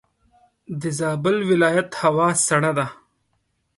دزابل ولایت هوا سړه ده.